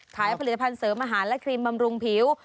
ขายผลิตภัณฑ์เสริมอาหารและครีมบำรุงผิว